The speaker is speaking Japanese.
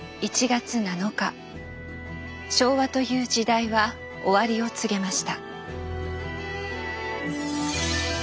昭和という時代は終わりを告げました。